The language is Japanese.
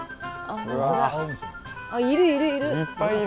いるいるいる！